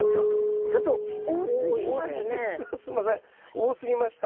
多すぎました。